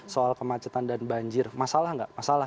soal kemacetan dan banjir masalah nggak masalah